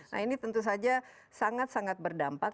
nah ini tentu saja sangat sangat berdampak